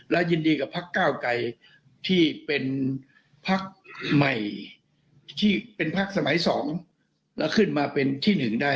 และยินดีกับพักเก้าไกรที่เป็นพักใหม่ที่เป็นพักสมัย๒แล้วขึ้นมาเป็นที่๑ได้